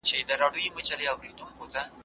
انا خپل لمونځ ته په پوره صبر سره ادامه ورکوي.